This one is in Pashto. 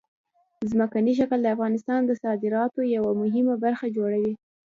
ځمکنی شکل د افغانستان د صادراتو یوه مهمه برخه جوړوي.